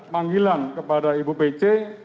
panggilan kepada ibu pc